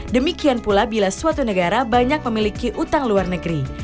demikian pula bila suatu negara banyak memiliki utang luar negeri